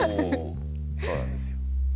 そうなんですようん。